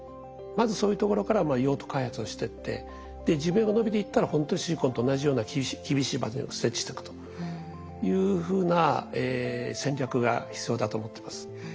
まずそういうところから用途開発をしてって寿命がのびていったらほんとにシリコンと同じような厳しい場所に設置していくというふうな戦略が必要だと思ってます。